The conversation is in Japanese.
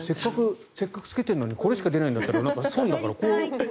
せっかくつけてるのにこれしか出ないんだったらなんか損だから。